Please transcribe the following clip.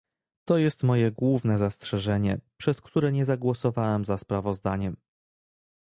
To jest moje główne zastrzeżenie, przez które nie zagłosowałem za sprawozdaniem